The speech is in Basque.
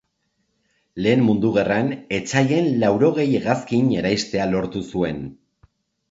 Lehen Mundu Gerran etsaien laurogei hegazkin eraistea lortu zuen.